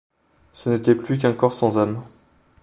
Ce n’était plus qu’un corps sans âme